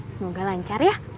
semoga lancar ya